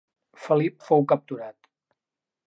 Felip fou capturat.